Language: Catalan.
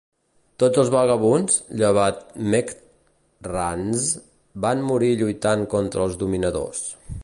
Tots els vagabunds, llevat Mekt Ranzz, van morir lluitant contra els dominadors.